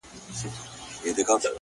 • له څو خوښيو او دردو راهيسي ـ